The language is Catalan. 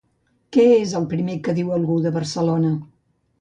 Què és el primer que diu algú de Barcelona?